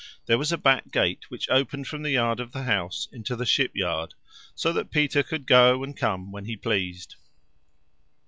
There was a back gate which opened from the yard of the house into the ship yard, so that Peter could go and come when he pleased.